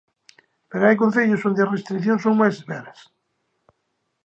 Pero hai concellos onde as restricións son máis severas.